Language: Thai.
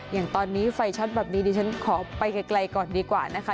อย่างตอนนี้ไฟช็อตแบบนี้ดิฉันขอไปไกลก่อนดีกว่านะคะ